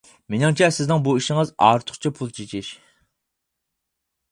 مېنىڭچە سىزنىڭ بۇ ئىشىڭىز ئارتۇقچە پۇل چېچىش.